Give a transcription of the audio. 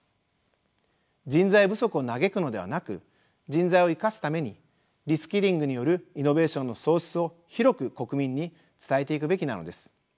人材不足を嘆くのではなく人材を生かすためにリスキリングによるイノベーションの創出を広く国民に伝えていくべきなのです。